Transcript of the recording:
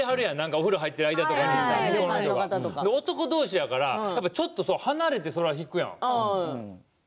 お風呂入っている間とかに男同士やからちょっと離れて敷くやん。